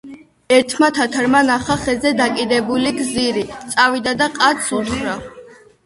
ერთმა თათარმა ნახა ხეზე დაკიდებული გზირი, წავიდა და ყადს უთხრა